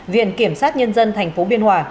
viện kiểm sát nhân dân thành phố biên hòa